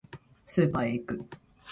スーパーへ行く